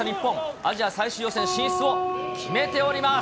アジア最終予選進出を決めております。